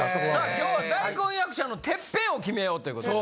今日は大根役者のテッペンを決めようということで。